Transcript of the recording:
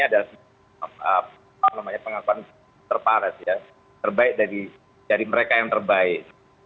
adalah apa namanya pengakuan terbaik dari mereka yang terbaik